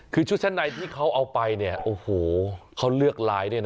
คือชุดชั้นในที่เขาเอาไปเนี่ยโอ้โหเขาเลือกไลน์ด้วยนะ